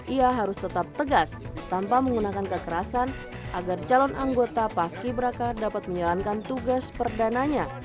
ia harus tetap tegas tanpa menggunakan kekerasan agar calon anggota paski beraka dapat menjalankan tugas perdananya